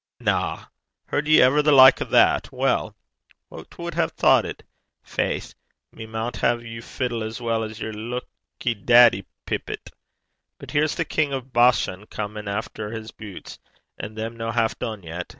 'Na! heard ye ever the like o' that! Weel, wha wad hae thocht it? Faith! we maun hae you fiddle as weel as yer lucky daiddy pipit. But here's the King o' Bashan comin' efter his butes, an' them no half dune yet!'